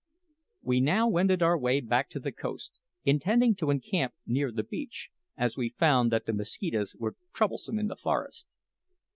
We now wended our way back to the coast, intending to encamp near the beach, as we found that the mosquitoes were troublesome in the forest.